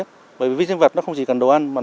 cái rác gần như là phân hủy hoàn toàn